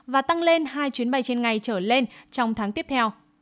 và tăng lên hai chuyến bay trên ngày trở lên trong tháng tiếp theo